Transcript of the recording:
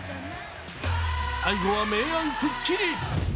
最後は明暗くっきり。